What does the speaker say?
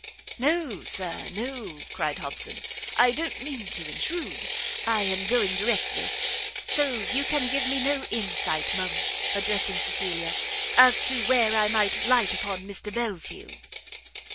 "No, Sir, no," cried Hobson, "I don't mean to intrude, I am going directly. So you can give me no insight, ma'am," addressing Cecilia, "as to where I might light upon Mr Belfield?"